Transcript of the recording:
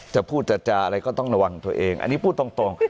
จะพูดจะจาอะไรก็ต้องระวังตัวเองอันนี้พูดตรง